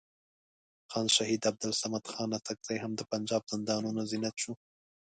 خان شهید عبدالصمد خان اڅکزی هم د پنجاب زندانونو زینت شو.